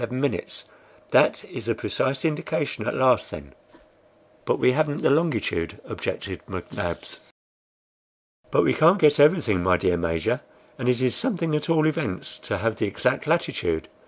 That is the precise indication at last, then!" "But we haven't the longitude," objected McNabbs. "But we can't get everything, my dear Major; and it is something at all events, to have the exact latitude.